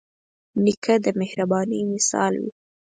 نیکه د مهربانۍ مثال وي.